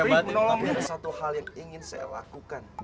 tapi ada satu hal yang ingin saya lakukan